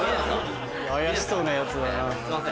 怪しそうなヤツだな。